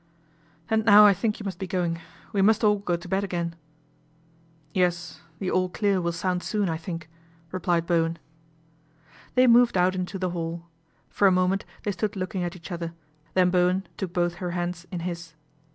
" And now I think you must be going. We must all go to bed again." " Yes, the ' All Clear' will sound soon, I think,' replied Bowen. They moved out into the hall. For a moment they stood looking at each other, then Bowen took both her hands in his.